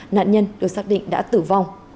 nạn nhân được xác định đã tử vong